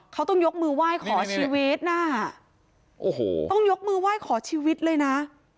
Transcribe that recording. เขาต้องยกมือไหว้ขอชีวิตน่ะโอ้โหต้องยกมือไหว้ขอชีวิตเลยนะ